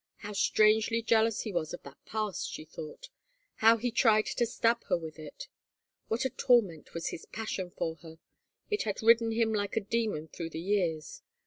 How strangely jealous he was of that past, she thought ; how he tried to stab her with it! What a torment was his passion for her. It had ridden him like a demon through the years.